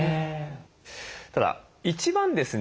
ただ一番ですね